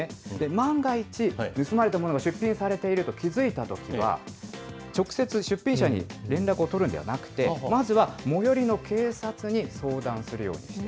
万が一、盗まれたものが出品されていると気付いたときは、直接、出品者に連絡を取るんではなくて、まずは最寄りの警察に相談するよ